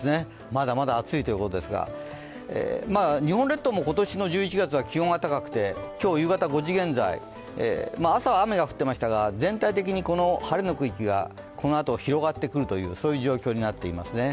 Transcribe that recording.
まだまだ暑いということですが、日本列島も今年の１１月は気温が高くて、今日夕方５時現在、朝、雨が降っていましたが、全体的に晴れの区域がこのあと広がってくるという状況になっていますね。